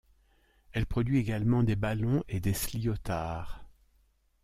Elle produit également des ballons et des sliotars.